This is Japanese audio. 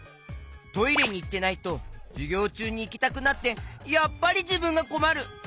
トイレにいってないとじゅぎょうちゅうにいきたくなってやっぱりじぶんがこまる！